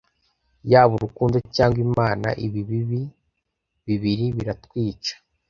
yaba urukundo cyangwa imana ibi bibi bibiri biratwica